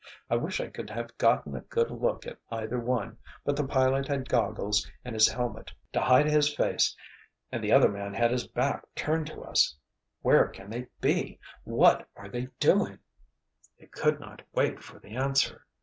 I wish I could have gotten a good look at either one, but the pilot had goggles and his helmet to hide his face and the other man had his back turned to us. Where can they be? What are they doing?" They could not wait for the answer.